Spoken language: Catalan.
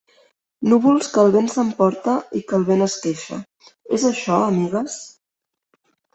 Núvols que el vent s'emporta i que el vent esqueixa; és això, amigues?